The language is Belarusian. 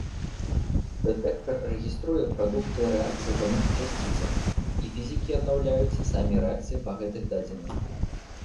Дэтэктар рэгіструе прадукты рэакцый паміж часціцамі, і фізікі аднаўляюць самі рэакцыі па гэтых дадзеных.